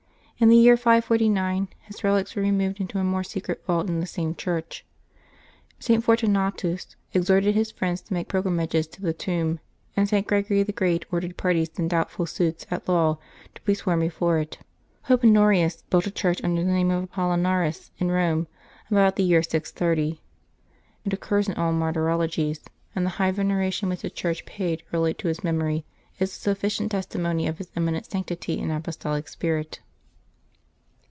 In the year 549 his relics were removed into a more secret vault in the same church. St. Fortunatus exhorted his friends to make pilgrimages to the tomb, and St. Gregory the Great ordered parties in doubt ful suits at law to be sworn before it. Pope Honorius built a church under the name of Apollinaris in Rome, about the year 630. It occurs in all martyrologies, and the high veneration which the Church paid early to his memory is a sufficient testimony of his eminent sanctity and apostolic spirit.